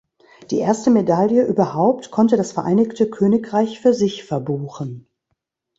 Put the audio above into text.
Die erste Medaille überhaupt konnte das Vereinigte Königreich für sich verbuchen.